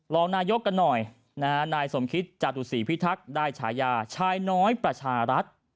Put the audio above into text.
รองนายกกันหน่อยนะฮะนายสมคิตจตุศรีพิทักษ์ได้ฉายาชายน้อยประชารัฐ